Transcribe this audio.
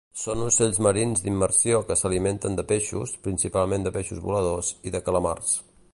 Són ocells marins d'immersió que s'alimenten de peixos, principalment de peixos voladors i de calamars.